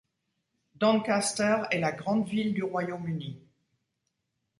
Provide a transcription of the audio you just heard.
Doncaster est la grande ville du Royaume-Uni.